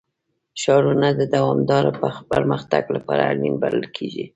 ښارونه د دوامداره پرمختګ لپاره اړین بلل کېږي.